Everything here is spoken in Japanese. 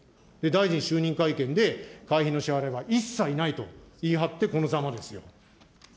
大臣就任会見で、会費の支払いは一切ないと言い張ってこのざまですよ。